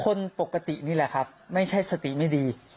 คนปกตินี่แหละครับไม่ใช่สติไม่ดี